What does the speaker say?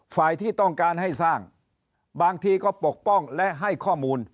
ฝ่ายที่ต้องการให้สร้างบางทีก็ปกป้องและให้ข้อมูล